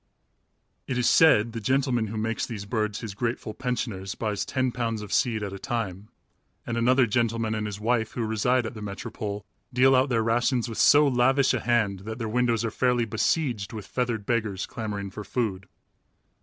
It is said the gentleman who makes these birds his grateful pensioners buys ten pounds of seed at a time, and another gentleman and his wife, who reside at the Metropole, deal out their rations with so lavish a hand that their windows are fairly besieged with feathered beggars clamoring for food.